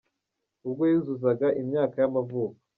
ubwo yuzuzaga imyaka y’amavuko.